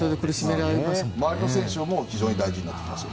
周りの選手も非常に大事になってきます。